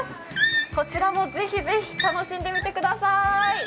こちらもぜひぜひ楽しんでみてください。